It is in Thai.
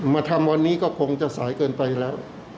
มาทำวันนี้ก็คงจะสายเกินไปแล้ว